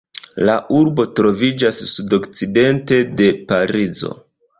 La urbo troviĝas sudokcidente de Parizo.